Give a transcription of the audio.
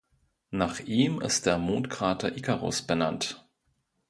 Nach ihm ist der Mondkrater Icarus benannt.